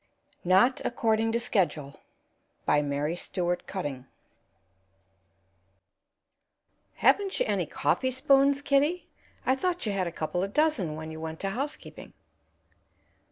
NOT ACCORDING TO SCHEDULE BY MARY STEWART CUTTING "Haven't you any coffee spoons, Kitty? I thought you had a couple of dozen when you went to housekeeping."